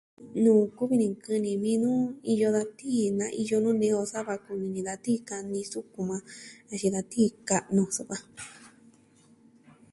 Nuu kuvi ni kɨ'ɨ ni nuu iyo da tii naa iyo nuu nee on sava kumi ni da tii kaa ni sukun majan jen da tii ka'nu so va.